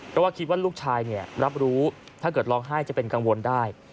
เพราะว่าคิดว่าลูกชายรับรู้ถ้าเกิดร้องไห้จะเป็นกังวลได้